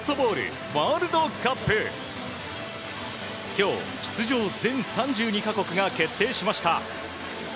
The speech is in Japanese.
今日、出場全３２か国が決定しました。